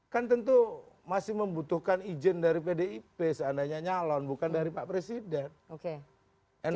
kan tentu masih membutuhkan izin dari pdip seandainya nyalon bukan dari pak presiden